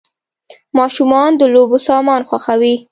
ماشومان د لوبو سامان خوښوي .